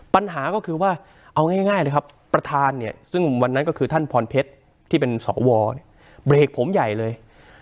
ปัญหาก็คือว่าเอาง่ายเลยครับประธานเนี่ยซึ่งวันนั้นก็คือท่านพรเพชรที่เป็นสวเบรกผมใหญ่เลย